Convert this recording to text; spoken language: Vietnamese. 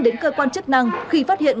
đến cơ quan chức năng khi phát hiện